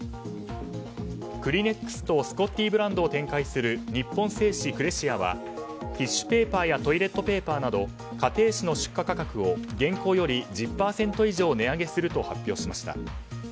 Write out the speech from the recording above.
クリネックスとスコッティブランドを展開する日本製紙クレシアはティッシュぺーパ−やトイレットペーパーなど家庭紙の出荷価格を現行より１０％以上値上げすると発表しました。